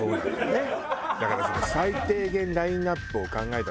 ねっ。